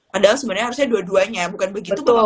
padahal sebenarnya harusnya dua duanya bukan begitu kakak tahu